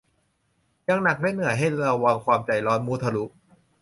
ยังหนักและเหนื่อย ให้ระวังความใจร้อนมุทะลุ